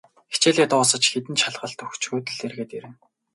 Хичээлээ дуусаж, хэдэн шалгалт өгчхөөд л эргээд ирнэ.